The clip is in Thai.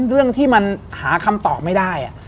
เรื่องที่มันหาคำตอบไม่ได้